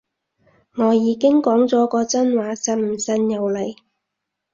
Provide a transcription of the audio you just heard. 我已經講咗個真話，信唔信由你